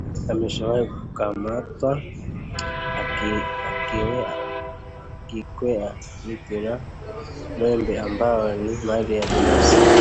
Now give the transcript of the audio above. Ameshawahi kukamatwa akikwea mti wa mwembe ambao ni mali binafsi